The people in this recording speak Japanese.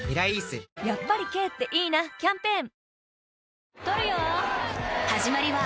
やっぱり軽っていいなキャンペーン